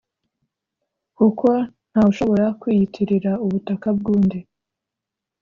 kuko nta wushobora kwiyitirira ubutaka bwundi